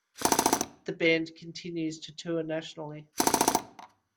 The band continues to tour nationally.